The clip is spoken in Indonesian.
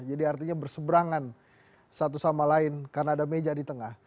artinya berseberangan satu sama lain karena ada meja di tengah